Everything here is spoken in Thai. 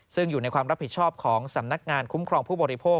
ซึ่งอยู่ในความรับผิดชอบของสำนักงานคุ้มครองผู้บริโภค